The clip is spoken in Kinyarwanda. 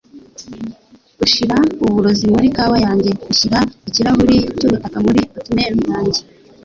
Ushira uburozi muri kawa yanjye ushyira ikirahuri cyubutaka muri oatmeal yanjye